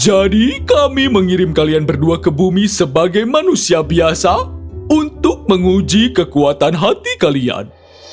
jadi kami mengirim kalian berdua ke bumi sebagai manusia biasa untuk menguji kekuatan hati kalian